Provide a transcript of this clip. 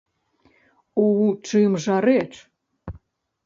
У чым жа рэч?